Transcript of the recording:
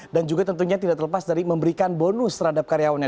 dan juga tentunya tidak terlepas dari memberikan bonus terhadap karyawannya